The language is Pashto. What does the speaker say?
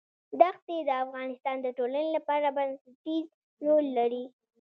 دښتې د افغانستان د ټولنې لپاره بنسټيز رول لري.